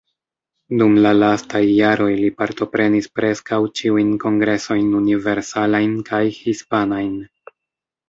Dum la lastaj jaroj li partoprenis preskaŭ ĉiujn kongresojn universalajn kaj hispanajn.